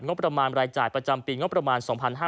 ประมาณรายจ่ายประจำปีงบประมาณ๒๕๕๙